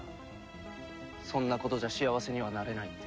そんなことじゃ幸せにはなれないって。